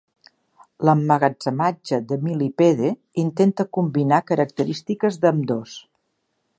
L'emmagatzematge de Millipede intenta combinar característiques d'ambdós.